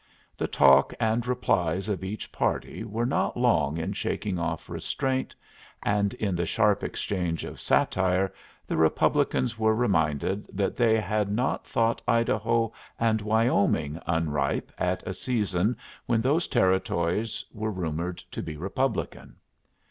The talk and replies of each party were not long in shaking off restraint, and in the sharp exchange of satire the Republicans were reminded that they had not thought Idaho and Wyoming unripe at a season when those Territories were rumored to be Republican.